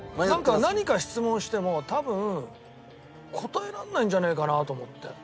何か質問しても多分答えられないんじゃねえかなと思って。